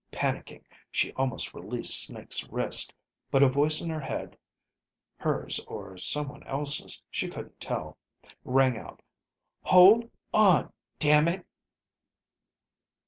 Panicking, she almost released Snake's wrist. But a voice in her head (hers or someone else's, she couldn't tell) rang out. _Hold ... on ... damn ... it